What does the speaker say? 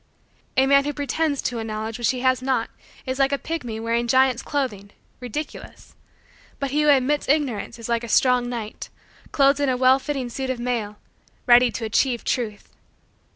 A man who pretends to a knowledge which he has not is like a pygmy wearing giant's clothing, ridiculous: but he who admits Ignorance is like a strong knight, clothed in a well fitting suit of mail, ready to achieve truth.